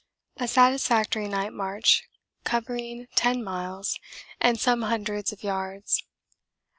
A satisfactory night march covering 10 miles and some hundreds of yards.